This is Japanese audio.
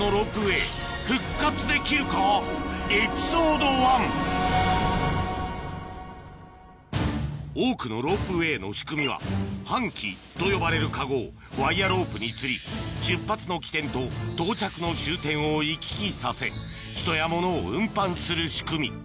エピソード１多くのロープウエーの仕組みは搬器と呼ばれるカゴをワイヤロープにつり出発の起点と到着の終点を行き来させ人や物を運搬する仕組み